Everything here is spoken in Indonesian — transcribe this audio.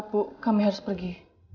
bapak kami harus pergi